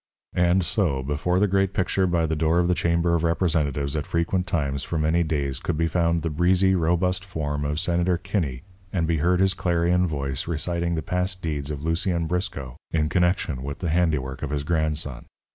And so, before the great picture by the door of the chamber of representatives at frequent times for many days could be found the breezy, robust form of Senator Kinney and be heard his clarion voice reciting the past deeds of Lucien Briscoe in connection with the handiwork of his grandson.